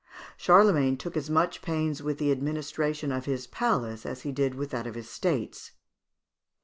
] Charlemagne took as much pains with the administration of his palace as he did with that of his States.